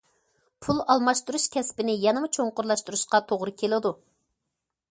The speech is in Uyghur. پۇل ئالماشتۇرۇش كەسپىنى يەنىمۇ چوڭقۇرلاشتۇرۇشقا توغرا كېلىدۇ.